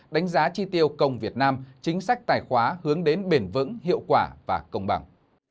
đánh giá chi tiêu công việt nam chính sách tài khoá hướng đến bền vững hiệu quả và công bằng